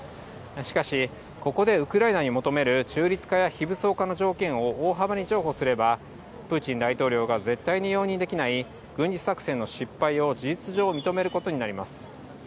しかし、ここでウクライナに求める中立化や非武装化の条件を大幅に譲歩すれば、プーチン大統領が絶対に容認できない、軍事作戦の失敗を事実上認めることになります。